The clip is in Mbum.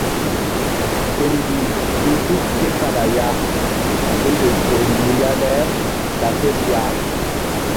Fe mbih ti̧h suk ke kala ya gundoy toh mbih ya le ta tel ya.